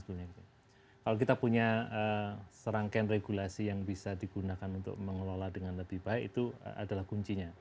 kalau kita punya serangkaian regulasi yang bisa digunakan untuk mengelola dengan lebih baik itu adalah kuncinya